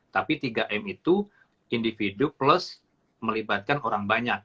tapi tiga m itu individu plus melibatkan orang banyak